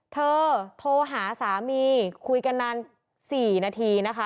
โทรหาสามีคุยกันนาน๔นาทีนะคะ